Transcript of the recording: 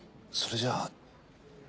それじゃ。